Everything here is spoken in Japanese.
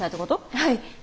はい。